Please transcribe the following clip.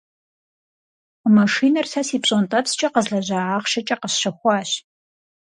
Машинэр сэ си пщӀэнтӀэпскӀэ къэзлэжьа ахъшэкӀэ къэсщэхуащ.